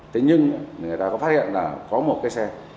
thế nhưng người ta có phát hiện là có một cái xe